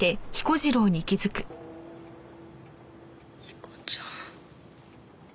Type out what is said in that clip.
彦ちゃん。